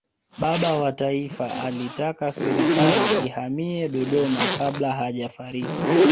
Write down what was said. baba wa taifa alitaka serikali ihamie dodoma kabla hajafariki